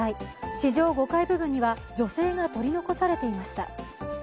地上５階部分には女性が取り残されていました。